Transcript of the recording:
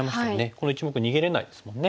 この１目逃げれないですもんね。